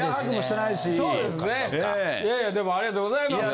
いやいやでもありがとうございます。